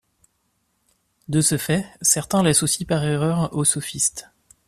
De ce fait, certains l'associent par erreur aux sophistes.